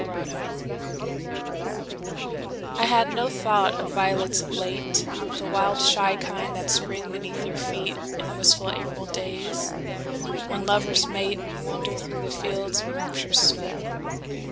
Sonnet I HAD no thought of violets of late, The wild, shy kind that spring beneath your feetIn wistful April days, when lovers mateAnd wander through the fields in raptures sweet.